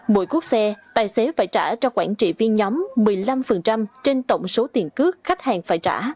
mỗi cuốc xe tài xế phải trả cho quản trị viên nhóm một mươi năm trên tổng số tiền cước khách hàng phải trả